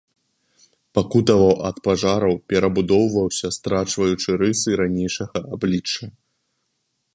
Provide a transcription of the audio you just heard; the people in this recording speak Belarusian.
Пакутаваў ад пажараў, перабудоўваўся, страчваючы рысы ранейшага аблічча.